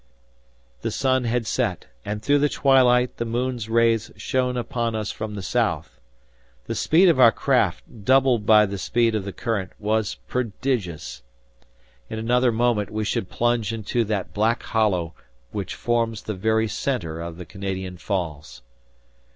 The sun had set, and through the twilight the moon's rays shone upon us from the south. The speed of our craft, doubled by the speed of the current, was prodigious! In another moment, we should plunge into that black hollow which forms the very center of the Canadian Falls.